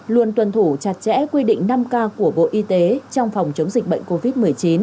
luôn tuân thủ chặt chẽ quy định năm k của bộ y tế trong phòng chống dịch bệnh covid một mươi chín